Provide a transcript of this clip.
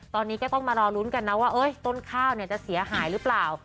ตอนนี้ก็ต้องมารอลุ้นกันนะว่าต้นข้าวจะเสียหายหรือเปล่า